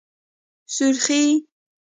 💄سورخي